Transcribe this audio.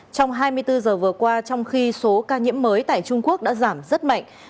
trong hai mươi bốn giờ vừa qua trong khi số ca nhiễm mới tại trung quốc đã giảm rất mạnh